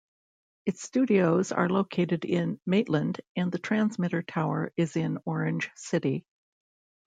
Its studios are located in Maitland and the transmitter tower is in Orange City.